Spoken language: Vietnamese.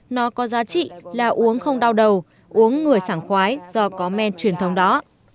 nó có giá trị là uống không đau đầu uống người sảng khoái do có men truyền thống đó